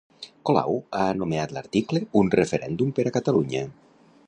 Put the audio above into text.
Colau ha anomenat l'article "Un referèndum per a Catalunya".